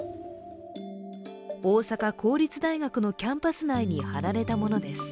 大阪公立大学のキャンパス内に貼られたものです。